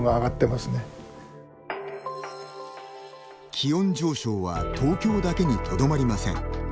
気温上昇は東京だけにとどまりません。